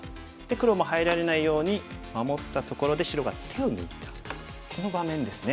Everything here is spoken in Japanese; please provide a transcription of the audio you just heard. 黒も入られないように守ったところで白が手を抜いたこの場面ですね。